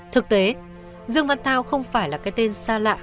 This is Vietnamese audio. thực tế dương văn thao không phải là cái tên xa lạ